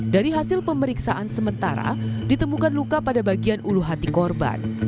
dari hasil pemeriksaan sementara ditemukan luka pada bagian ulu hati korban